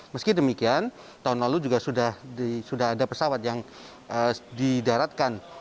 meski demikian tahun lalu juga sudah ada pesawat yang didaratkan